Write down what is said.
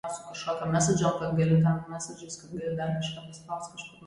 We also encouraged attendees to spread the word and invite their friends and family.